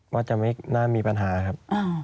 ว่าจะไม่น่ามีปัญหาครับ